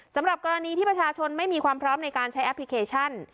สำหรับกรณีที่ประชาชนไม่มีความพร้อมในการใช้แอปพลิเคชัน